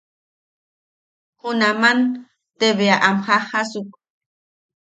Junaman te bea am jajjasuk.